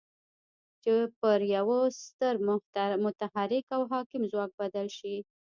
چې پر يوه ستر متحرک او حاکم ځواک بدل شي.